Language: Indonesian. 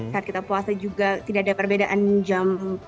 saat kita puasa juga tidak ada perbedaan jam